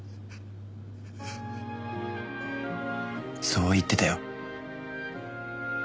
そう言ってたよ。